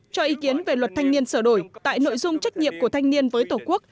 cho ý kiến về luật thanh niên sửa đổi tại nội dung trách nhiệm của thanh niên với tổ quốc